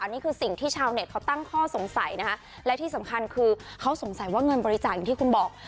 นี่คือสิ่งที่ชาวเน็ตเขาตั้งข้อสงสัยนะคะและที่สำคัญคือเขาสงสัยว่าเงินบริจาคอย่างที่คุณบอก